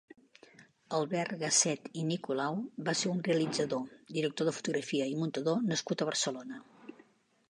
Albert Gasset i Nicolau va ser un realitzador, director de fotografia i muntador nascut a Barcelona.